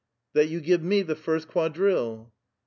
" That you give me the first quadrille."